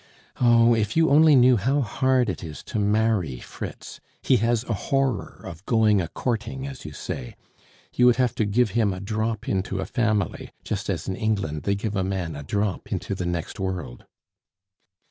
Oh! if you only knew how hard it is to marry Fritz. He has a horror of 'going a courting,' as you say; you would have to give him a drop into a family, just as in England they give a man a drop into the next world."